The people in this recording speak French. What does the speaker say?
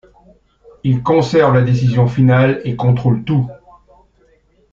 Il conserve la décision finale et contrôle tout.